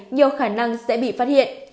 nhiều khả năng sẽ bị phát hiện